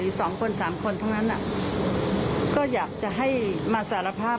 ว่าที่สามคนที่ถ่านมาจะเป็นอะไร